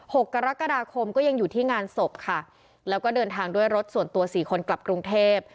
หกกรกฎาคมก็ยังอยู่ที่งานศพค่ะแล้วก็เดินทางด้วยรถส่วนตัวสี่คนกลับกรุงเทพ